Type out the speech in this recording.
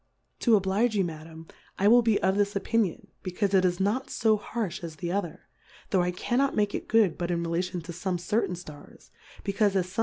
To oblige you, Madam, I will be of this Opinion, becaufe it is not fo harfh as the other, tho' I cannot make it good but in relation to fome certain Stars, becaufe as fome